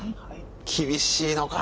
厳しいのか。